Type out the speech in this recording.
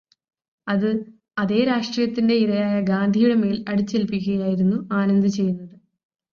അത് അതേ രാഷ്ട്രീയത്തിന്റെ ഇരയായ ഗാന്ധിയുടേ മേല് അടിച്ചേല്പിക്കുകയാണു ആനന്ദ് ചെയ്യുന്നത്.